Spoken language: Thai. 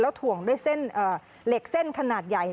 แล้วถ่วงด้วยเหล็กเส้นขนาดใหญ่